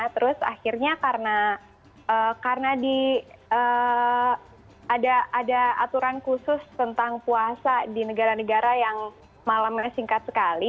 terus akhirnya karena ada aturan khusus tentang puasa di negara negara yang malamnya singkat sekali